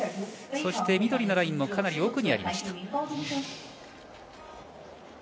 そして緑のラインのかなり奥にありました。